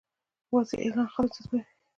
واضح اعلان خلک جذبوي.